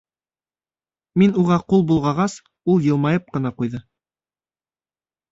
Мин уға ҡул болғағас, ул йылмайып ҡына ҡуйҙы...